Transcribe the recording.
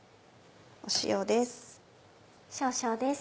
塩です。